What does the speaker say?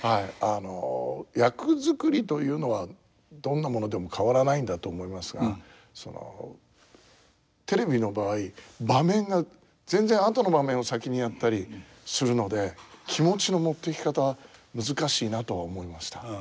あの役作りというのはどんなものでも変わらないんだと思いますがそのテレビの場合場面が全然後の場面を先にやったりするので気持ちの持っていき方難しいなとは思いました。